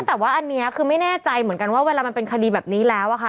แต่ว่าอันนี้คือไม่แน่ใจเหมือนกันว่าเวลามันเป็นคดีแบบนี้แล้วอะค่ะ